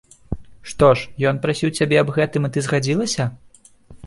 Што ж, ён прасіў цябе аб гэтым і ты згадзілася?